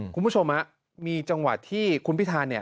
คุณผู้ชมมีจังหวะที่คุณพิทธา